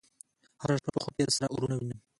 هره شپه په خوب کې سره اورونه وینم